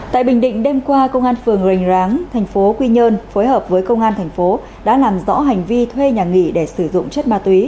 tại bình định đêm qua công an phường rành ráng thành phố quy nhơn phối hợp với công an thành phố đã làm rõ hành vi thuê nhà nghỉ để sử dụng chất ma túy